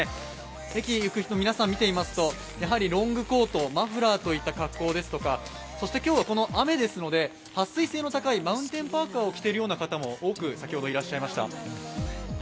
駅行く人皆さん見てみますとロングコート、マフラーといった格好ですとか、今日は雨ですのではっ水性の高いマウンテンパーカを着てらっしゃる方も多くいました。